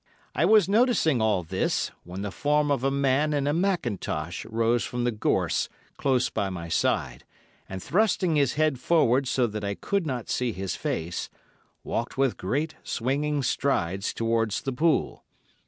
I was noticing all this, when the form of a man in a mackintosh rose from the gorze close by my side, and, thrusting his head forward so that I could not see his face, walked with great swinging strides towards the pool.